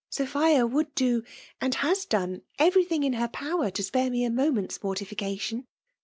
'' Sophia would do^ and has done, every thing in her power to spare me a moment's 'mortification.